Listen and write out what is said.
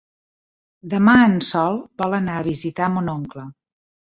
Demà en Sol vol anar a visitar mon oncle.